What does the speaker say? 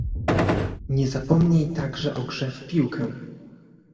"Nie zapomnij także o grze w piłkę."